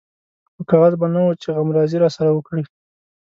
خو کاغذ به نه و چې غمرازي راسره وکړي.